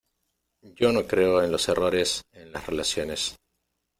yo no creo en los errores en las relaciones.